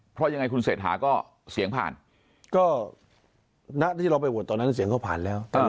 เพราะยังไงคุณเศรษฐาก็เสียงผ่านก็ณที่เราไปโหวตตอนนั้นเสียงเขาผ่านแล้ว